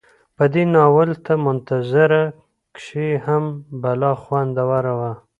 په دې ناول ته منظره کشي هم بلا خوندوره وه